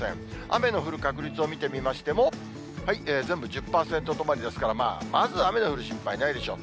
雨の降る確率を見てみましても、全部１０％止まりですから、まず雨の降る心配、ないでしょう。